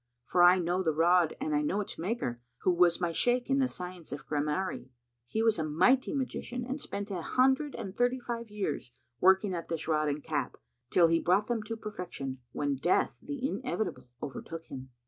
For I know the rod and I know its maker, who was my Shaykh in the science of Gramarye. He was a mighty magician and spent an hundred and thirty and five years working at this rod and cap, till he brought them to perfection, when Death the Inevitable overtook him.